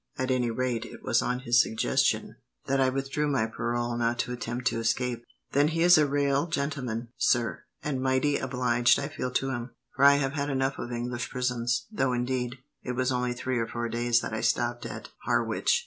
At any rate, it was on his suggestion that I withdrew my parole not to attempt to escape." "Then he is a rale gintleman, sir, and mighty obliged I feel to him, for I have had enough of English prisons, though indeed, it was only three or four days that I stopped at Harwich."